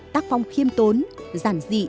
tác phong khiêm tốn giản dị